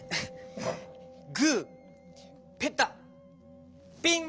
グー・ペタ・ピン！